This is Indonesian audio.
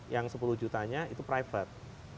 yang sepuluh jutanya itu private